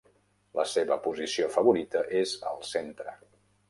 La seva posició favorita és es el centre.